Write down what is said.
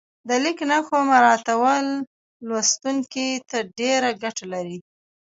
د لیک نښو مراعاتول لوستونکي ته ډېره ګټه لري.